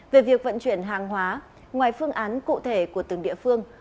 về việc vận chuyển hàng hóa ngoài phương án cụ thể của từng địa phương